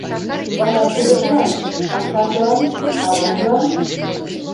— Вара кудыжлан: ачажлан, аважлан?